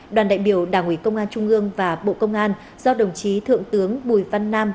đoàn đại biểu đảng ủy công an trung ương và bộ công an do đồng chí thượng tướng bùi văn nam